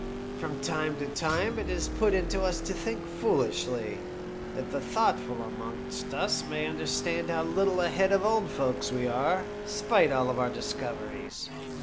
From time to time it is put into us to think foolishly, that the thoughtful amongst us may understand how little ahead of the old folks we are, spite of all our discoveries.